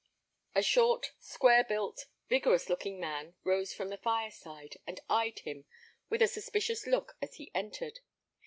A short, square built, vigorous looking man rose from the fire side, and eyed him with a suspicious look as he entered.